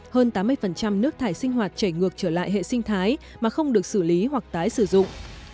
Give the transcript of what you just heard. hơn tám mươi nước thải sinh hoạt chảy ngược trở lại hệ sinh thái mà không được xử lý hoặc tái sử dụng